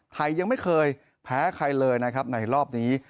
ยังไม่เคยแพ้ใครเลยนะครับในรอบนี้